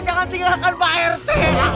jangan tinggalkan pak rt